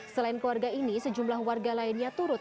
selain keluarga ini sejumlah warga lainnya turut